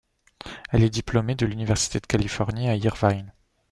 Elle est diplômée de l’Université de Californie à Irvine.